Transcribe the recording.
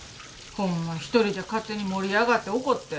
ホンマ一人で勝手に盛り上がって怒って。